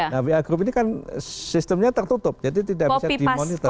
nah wa group ini kan sistemnya tertutup jadi tidak bisa dimonitor